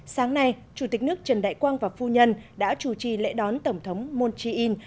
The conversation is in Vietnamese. sáng nay chủ tịch nước trần đại quang và phu nhân đã chủ trì lễ đón tổng thống moon jae in